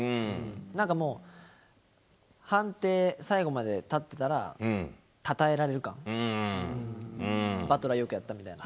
なんかもう、判定、最後まで立ってたら、たたえられる感、バトラーよくやったみたいな。